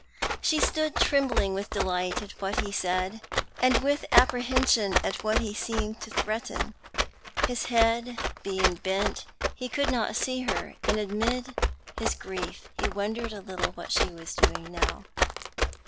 She stood trembling with delight at what he said, and with apprehension at what he seemed to threaten. His head being bent, he could not see her, and amid his grief he wondered a little what she was doing now.